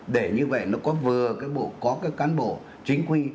để như vậy nó có vừa cái bộ có cái cán bộ chính quy